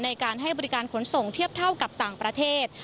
ในการให้บริการขนส่งเทียบเท่ากับต่างประเทศ